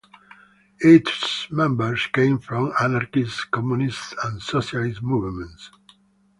Its members came from anarchist, communist, and socialist movements.